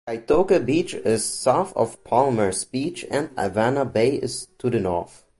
Kaitoke Beach is south of Palmers Beach and Awana Bay is to the north.